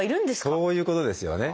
そういうことですよね。